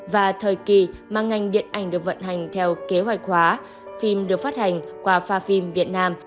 và thời kỳ mà ngành điện ảnh được vận hành theo kế hoạch hóa phim được phát hành qua pha phim việt nam